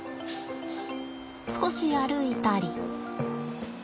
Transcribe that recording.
少し歩いたり。